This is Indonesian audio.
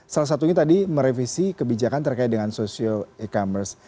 salah satunya tadi merevisi kebijakan terkait dengan social e commerce